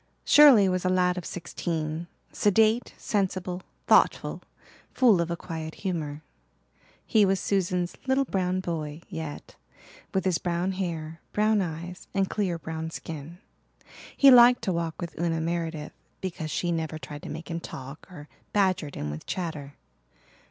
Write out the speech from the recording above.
Shirley was a lad of sixteen, sedate, sensible, thoughtful, full of a quiet humour. He was Susan's "little brown boy" yet, with his brown hair, brown eyes, and clear brown skin. He liked to walk with Una Meredith because she never tried to make him talk or badgered him with chatter.